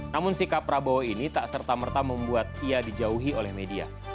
namun sikap prabowo ini tak serta merta membuat ia dijauhi oleh media